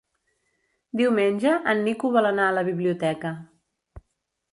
Diumenge en Nico vol anar a la biblioteca.